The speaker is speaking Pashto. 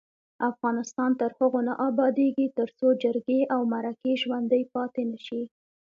افغانستان تر هغو نه ابادیږي، ترڅو جرګې او مرکې ژوڼدۍ پاتې نشي.